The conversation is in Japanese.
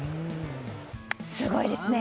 すごいですね！